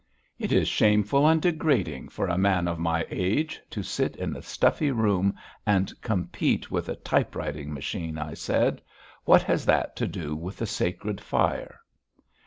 "It is shameful and degrading for a man of my age to sit in a stuffy room and compete with a typewriting machine," I said. "What has that to do with the sacred fire?"